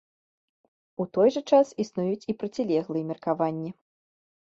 У той жа час існуюць і процілеглыя меркаванні.